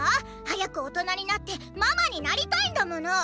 はやく大人になってママになりたいんだもの！